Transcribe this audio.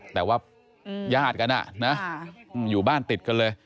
แต่ว่าญาติกันอยู่บ้านติดกันเลย